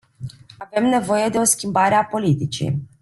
Avem nevoie de o schimbare a politicii.